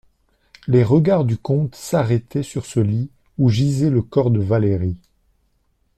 Les regards du comte s'arrêtaient sur ce lit où gisait le corps de Valérie.